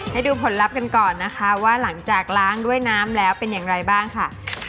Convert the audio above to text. ให้ดูผลลัพธ์กันก่อนนะคะว่าหลังจากล้างด้วยน้ำแล้วเป็นอย่างไรบ้างค่ะ